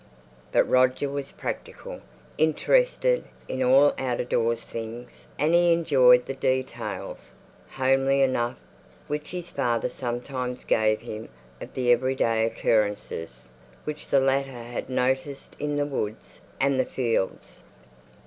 But Roger was practical; interested in all out of doors things, and he enjoyed the details, homely enough, which his father sometimes gave him of the every day occurrences which the latter had noticed in the woods and the fields.